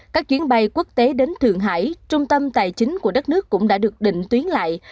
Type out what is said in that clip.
các chuyến bay quốc tế đến thượng hải trung tâm tài chính của đất nước cũng đã được định tuyến lại